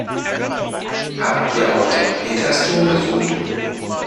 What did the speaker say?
Habt ihr auch den Petersdom besucht?